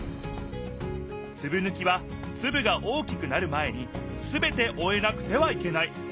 つぶぬきはつぶが大きくなる前にすべておえなくてはいけない。